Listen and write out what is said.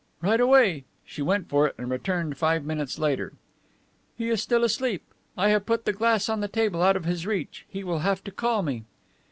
"Right away." She went for it and returned five minutes later. "He is still asleep. I have put the glass on the table, out of his reach. He will have to call me."